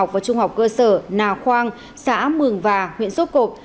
trường phổ thông dân tộc bán chú tiểu học cơ sở nào khoang xã mường và huyện sốt cộc